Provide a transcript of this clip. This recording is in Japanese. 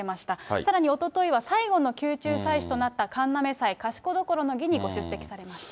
さらに、おとといは最後の宮中祭祀となった神嘗祭賢所の儀にご出席されました。